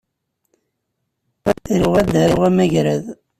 Riɣ ad d-aruɣ amagrad.